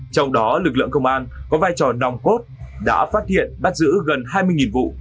trong đó lực lượng công an có vai trò nòng cốt đã phát hiện bắt giữ gần hai mươi vụ